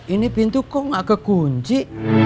ini pintu kok gak kekunci